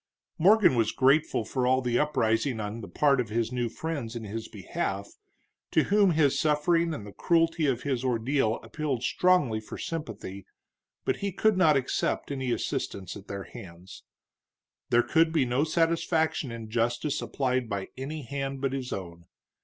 Morgan was grateful for all this uprising on the part of his new friends in his behalf, to whom his suffering and the cruelty of his ordeal appealed strongly for sympathy, but he could not accept any assistance at their hands. There could be no satisfaction in justice applied by any hand but his own.